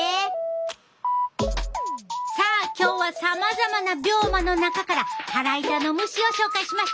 さあ今日はさまざまな病魔の中から腹痛の虫を紹介しました！